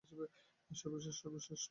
সর্বশেষ ও সর্বশ্রেষ্ঠ মত অদ্বৈতবাদ।